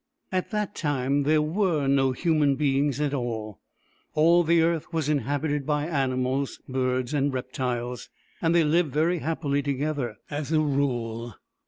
At that time there were no human beings at all. All the earth was inhabited by animals, birds, and reptiles, and they lived very happily together, as a rule.